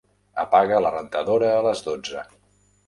Apaga la rentadora a les dotze.